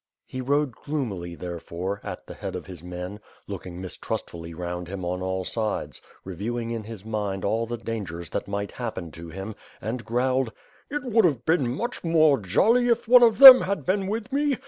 He rode gloomily, therefore, at the head of his men, look ing mistrustfully round him on all sides, reviewing in his mind all the dangers that might happen to him, and growled: "It would have been much more jolly if one of them had been with me.